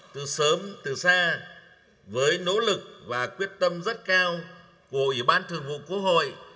từ sớm từ xa với nỗ lực và quyết tâm rất cao của ủy ban thường vụ quốc hội